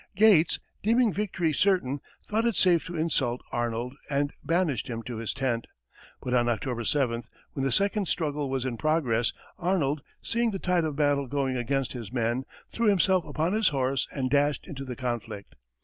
Gates, deeming victory certain, thought it safe to insult Arnold, and banished him to his tent; but on October 7th, when the second struggle was in progress, Arnold, seeing the tide of battle going against his men, threw himself upon his horse and dashed into the conflict.